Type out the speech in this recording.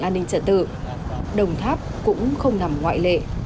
an ninh trật tự đồng tháp cũng không nằm ngoại lệ